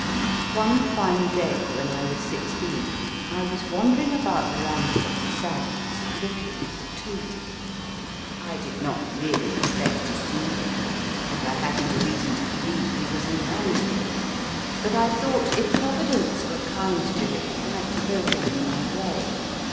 One fine day, when I was sixteen, I was wandering about the Rams gate sands looking for Toole. I did not really expect to see him, and I had no reason to believe he was in Ramsgate, but I thought if Provi dence were kind to him it might throw him in my way.